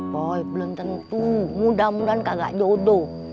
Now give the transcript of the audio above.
wah belum tentu mudah mudahan kagak jodoh